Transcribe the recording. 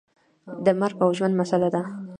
د مرګ او ژوند مسله ده.